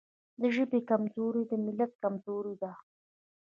د ژبې کمزوري د ملت کمزوري ده.